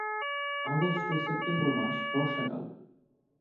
August ও September মাস বর্ষাকাল।